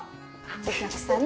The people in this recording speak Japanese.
お客さん